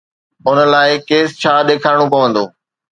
ان لاءِ کيس ڇا ڏيکارڻو پوندو؟